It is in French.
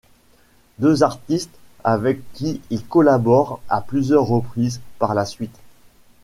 Deux artistes avec qui il collabore à plusieurs reprises par la suite.